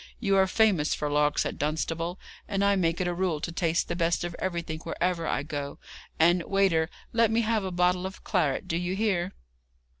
You are famous for larks at Dunstable, and I make it a rule to taste the best of everything wherever I go; and, waiter, let me have a bottle of claret. Do you hear?'